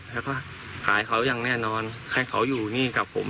แล้วก็ขายเขาอย่างแน่นอนให้เขาอยู่นี่กับผม